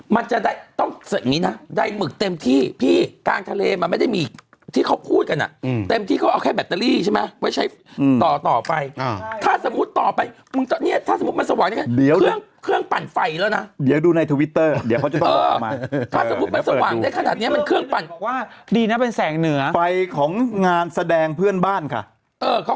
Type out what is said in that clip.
มันจะต้องมีเงินก่อนที่จะไปซึงมดแรก